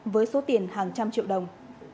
với số tiền hàng trăm triệu đồng